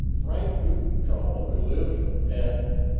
"Frank Gutchall, who lives at...